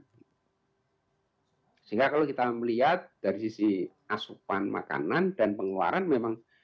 sehingga kalau kita melihat dari sisi asupan makanan dan pengeluaran memang